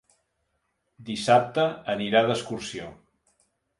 Dissabte anirà d'excursió.